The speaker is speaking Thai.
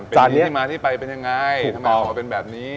เป็นที่มาที่ไปเป็นยังไงทำไมออกมาเป็นแบบนี้